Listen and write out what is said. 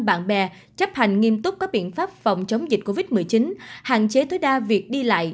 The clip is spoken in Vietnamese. bạn bè chấp hành nghiêm túc các biện pháp phòng chống dịch covid một mươi chín hạn chế tối đa việc đi lại